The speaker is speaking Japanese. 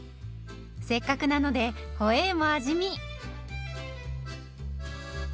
せっかくなのでホエーも味見。